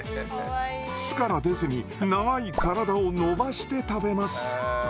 巣から出ずに長い体を伸ばして食べます。